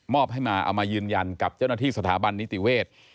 ให้มาเอามายืนยันกับเจ้าหน้าที่สถาบันนิติเวศ